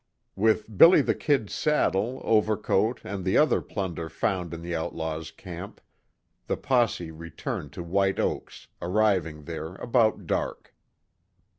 With "Billy the Kid's" saddle, overcoat and the other plunder found in the outlaws' camp, the posse returned to White Oaks, arriving there about dark.